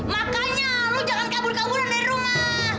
makanya lo jangan kabur kaburan dari rumah